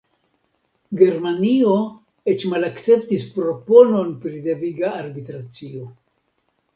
Germanio eĉ malakceptis proponon pri deviga arbitracio.